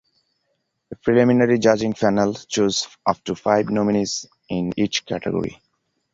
A preliminary judging panel chooses up to five nominees in each category.